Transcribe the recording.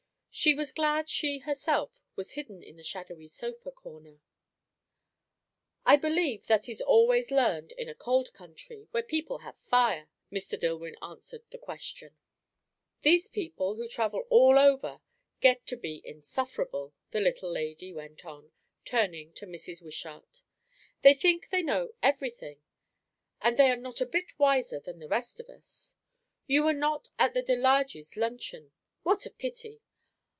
She was glad she herself was hidden in the shadowy sofa corner. "I believe that is always learned in a cold country, where people have fire," Mr. Dillwyn answered the question. "These people who travel all over get to be insufferable!" the little lady went on, turning to Mrs. Wishart; "they think they know everything; and they are not a bit wiser than the rest of us. You were not at the De Large's luncheon, what a pity!